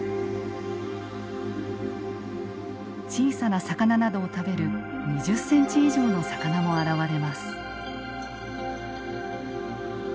小さな魚などを食べる２０センチ以上の魚も現れます。